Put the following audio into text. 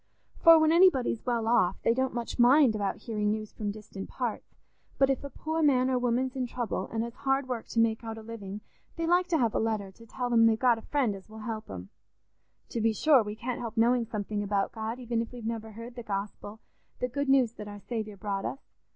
For when anybody's well off, they don't much mind about hearing news from distant parts; but if a poor man or woman's in trouble and has hard work to make out a living, they like to have a letter to tell 'em they've got a friend as will help 'em. To be sure, we can't help knowing something about God, even if we've never heard the Gospel, the good news that our Saviour brought us.